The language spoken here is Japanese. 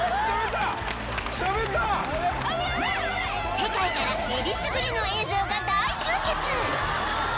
世界からえりすぐりの映像が大集結！